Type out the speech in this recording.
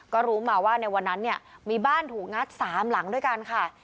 ก็รู้มาว่าในวันนั้นเนี่ยมีบ้านถูกงัด๓หลังด้วยกันค่ะ